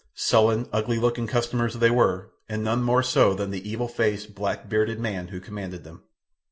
Sullen, ugly looking customers they were, and none more so than the evil faced, black bearded man who commanded them.